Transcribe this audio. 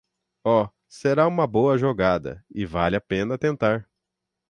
Oh, será uma boa jogada e vale a pena tentar.